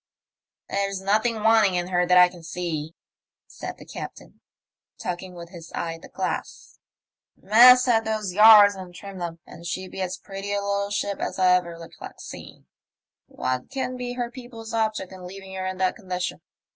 There's nothing wanting in her that I can see," said the captain, talking with his eye at the glass. " Masthead those yards and trim them, and she'd be as pretty a little ship as ever I recollect seeing. What can be her people's object in leaving her in that condition